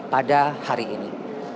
pada hari ini